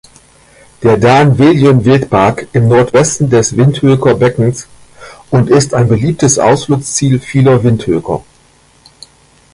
Der Daan-Viljoen-Wildpark im Nordwesten des Windhoeker Beckens und ist ein beliebtes Ausflugsziel vieler Windhoeker.